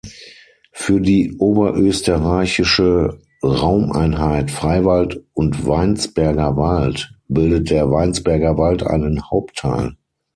Für die oberösterreichische Raumeinheit "Freiwald und Weinsberger Wald" bildet der Weinsberger Wald einen Hauptteil.